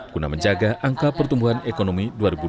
guna menjaga angka pertumbuhan ekonomi dua ribu dua puluh